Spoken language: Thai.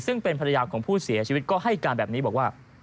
ซึ่งเป็นภรรยาของผู้เสียชีวิตก็ให้การแบบนี้บอกว่า